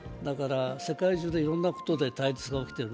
世界中でいろんなことで対立が起きている。